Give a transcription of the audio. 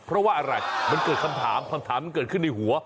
เพราะว่าอะไรมันเกิดคำถามคำถามมันเกิดขึ้นในหัว